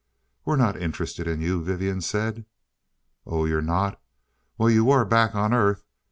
"We're not interested in you," Vivian said. "Oh, you're not? Well you were, back on Earth.